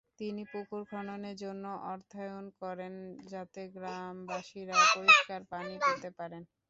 তিনি পুকুর খননের জন্য অর্থায়ন করেন যাতে গ্রামবাসীরা পরিষ্কার পানি পেতে পারেন।